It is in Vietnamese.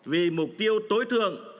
vì mục tiêu tối thường